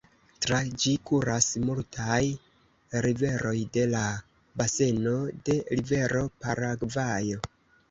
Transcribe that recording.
Tra ĝi kuras multaj riveroj de la baseno de rivero Paragvajo.